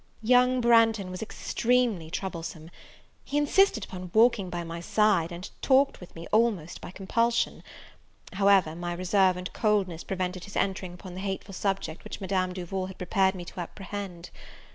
Young Branghton was extremely troublesome; he insisted upon walking by my side, and talked with me almost by compulsion; however, my reserve and coldness prevented his entering upon the hateful subject which Madame Duval had prepared me to apprehend.